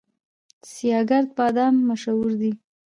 سیاه ګرد بادام مشهور دي؟